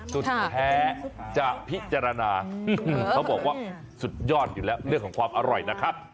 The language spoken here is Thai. สุดแท้จะพิจารณาเขาบอกว่าสุดยอดอยู่แล้วเรื่องของความอร่อยนะครับ